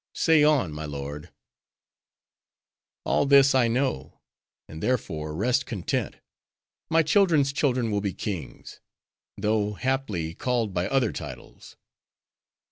—Say on, my lord." "All this I know; and, therefore, rest content. My children's children will be kings; though, haply, called by other titles.